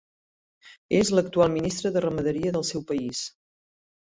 És l'actual ministre de Ramaderia del seu país.